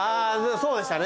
そうでしたね